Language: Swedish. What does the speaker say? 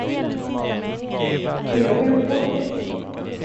Har jag skämt bort dig?